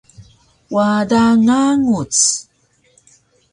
wada nganguc